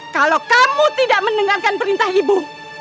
kalau kamu tidak mendengarkan perintah ibu